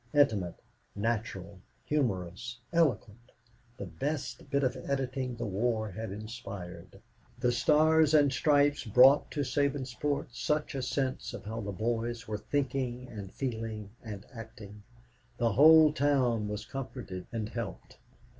Intimate, natural, humorous, eloquent, the best bit of editing the war had inspired, The Stars and Stripes brought to Sabinsport such a sense of how the boys were thinking and feeling and acting, the whole town was comforted and helped.